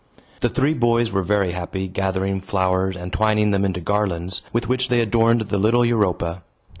The three boys were very happy, gathering flowers, and twining them into garlands, with which they adorned the little Europa.